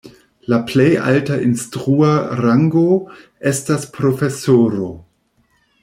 La plej alta instrua rango estas profesoro.